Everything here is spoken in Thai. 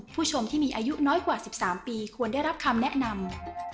ผู้ชมที่มีอายุน้อยกว่า๑๓ปีควรได้รับคำแนะนำ